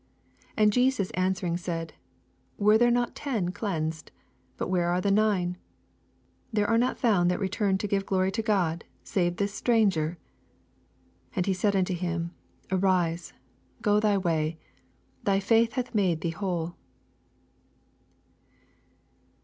17 And Jesus answering said, Were there not ten cleansed 'if but where are the nine ? 18 There are not found that re turned to give glory to God, save this stranger. 19 And he said unto him. Arise, go thy way : thy faith hath made thee whole.